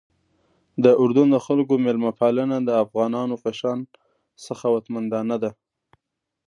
د اردن د خلکو میلمه پالنه د افغانانو په شان سخاوتمندانه ده.